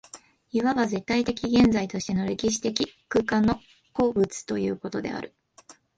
いわば絶対現在としての歴史的空間の個物ということである。